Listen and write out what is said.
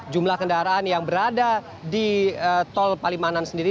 jumlah kendaraan yang berada di tol palimanan sendiri